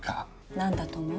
何だと思う？